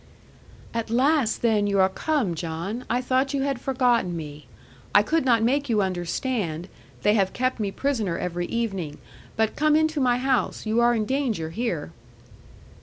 'At last then, you are come, John. I thought you had forgotten me. I could not make you understand they have kept me prisoner every evening: but come into my house; you are in danger here.'